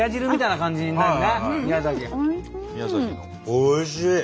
おいしい！